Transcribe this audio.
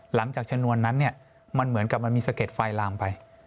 หลังจากฉนวนนั้นเนี่ยมันเหมือนกับมันมีสเกร็ดไฟลามไป